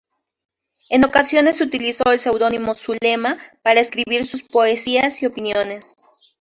En ocasiones utilizó el seudónimo "Zulema" para escribir sus poesías y opiniones.